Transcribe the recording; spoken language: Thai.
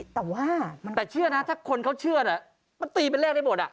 แต่เชื่อนะถ้าคนเขาเชื่อนี่มันตีไปเลขได้หมดนะ